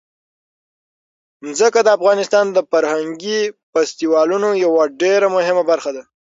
ځمکه د افغانستان د فرهنګي فستیوالونو یوه ډېره مهمه برخه ده.